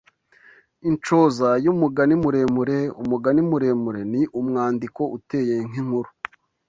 Inshoza y’umugani muremure Umugani muremure ni umwandiko uteye nk’inkuru